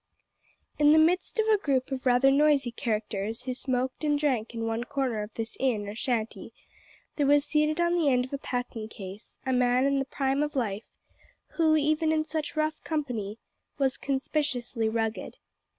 In the midst of a group of rather noisy characters who smoked and drank in one corner of this inn or shanty, there was seated on the end of a packing case, a man in the prime of life, who, even in such rough company, was conspicuously rugged.